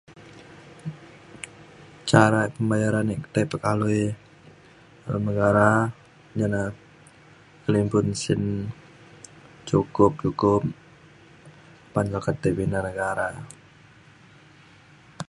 cara pembayaran ja' tai pekaliu dalem negara jane kelimpun sin cukup-cukup apan le ketai pindah negara.